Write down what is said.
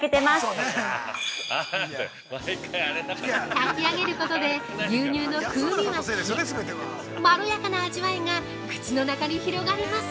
炊き上げることで牛乳の風味は消えまろやかな味わいが口の中に広がります。